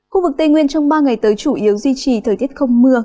khu vực tây nguyên trong ba ngày tới chủ yếu duy trì thời tiết không mưa